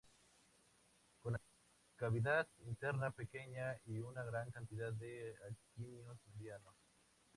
Con cavidad interna pequeña y una gran cantidad de aquenios medianos.